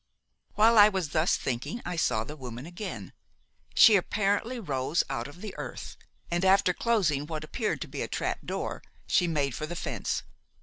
"While I was thus thinking I saw the woman again. She apparently rose out of the earth, and after closing what appeared to be a trap door, she made for the fence.